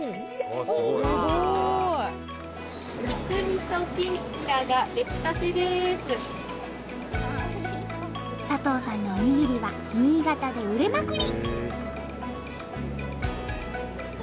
すごい！佐藤さんのおにぎりは新潟で売れまくり！